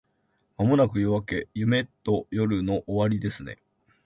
間もなく夜明け…夜と夢の終わりですね